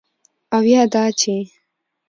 او یا دا چې: